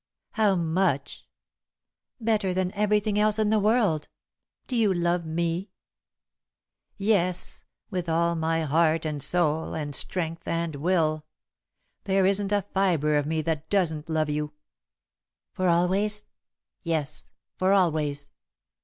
"How much?" "Better than everything else in the world. Do you love me?" "Yes, with all my heart and soul and strength and will. There isn't a fibre of me that doesn't love you." "For always?" "Yes, for always."